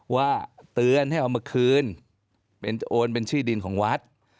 ว่าเตือนให้เอามาคืนเป็นโอนเป็นชื่อดินของวัด